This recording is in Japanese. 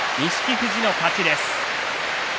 富士の勝ちです。